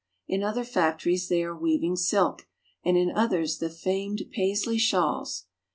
In other factories they are weaving silk, and in others the famed Paisley shawls.